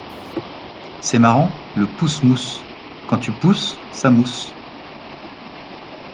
C'est marrant le pouss mouss. Quand tu pousses, ça mousse.